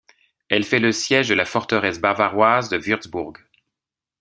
Elle fait le siège de la forteresse bavaroise de Würzburg.